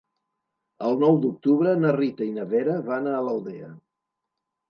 El nou d'octubre na Rita i na Vera van a l'Aldea.